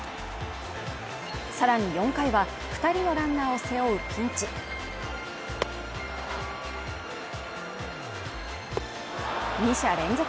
さらに４回は二人のランナーを背負うピンチ２者連続